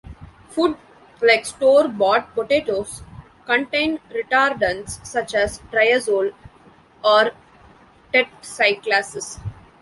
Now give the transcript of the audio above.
Food, like store bought potatoes, contain retardants such as triazole or tetcyclacis.